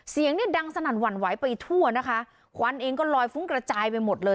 เสียงเนี่ยดังสนั่นหวั่นไหวไปทั่วนะคะควันเองก็ลอยฟุ้งกระจายไปหมดเลย